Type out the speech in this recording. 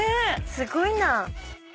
すごいな。